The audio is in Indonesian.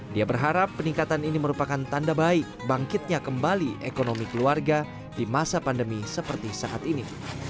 dia berharap peningkatan ini merupakan tanda baik bangkitnya kembali ekonomi keluarga di masa pandemi seperti saat ini